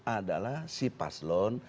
adalah si paslon